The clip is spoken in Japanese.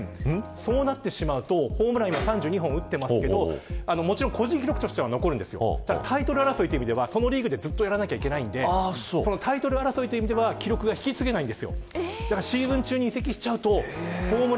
そうなってしまうとホームラン今３２本を打っていますがもちろん個人記録としては残るんですがタイトル争いという意味ではそのリーグでずっとやらなければいけないのでタイトル争いという意味では記録が引き継げません。